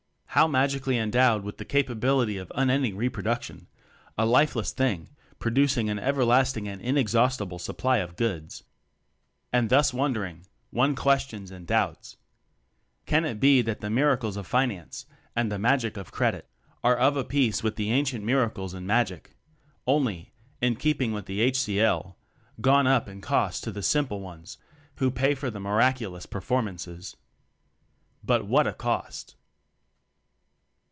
How magically endowed with the capability of unending reproduction? "a lifeless thing producing an ever lasting and inexhaustible supply of goods." 30 TECHNOCRACY And thus wondering, one questions and doubts. ... Can it be that the "miracles of fi nance" and the "magic of credit" are of a piece with the ancient miracles and magic? only, (in keeping with the h. c. 1.) gone up in cost to the simple ones who pay for the "miraculous" performances. But what a co.t!